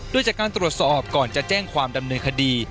โดยจากการตรวจสอบก่อนจะแจ้งความดำเนินคดี